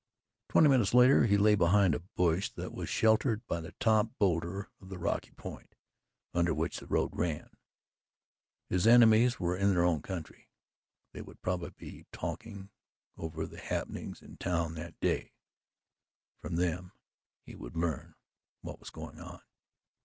Twenty minutes later, he lay behind a bush that was sheltered by the top boulder of the rocky point under which the road ran. His enemies were in their own country; they would probably be talking over the happenings in town that day, and from them he would learn what was going on.